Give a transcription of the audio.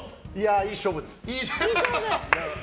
いい勝負です。